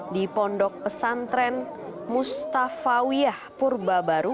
di pondok pesantren mustafawiah purbabaru